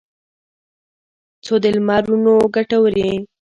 څو د لمرونو کټوري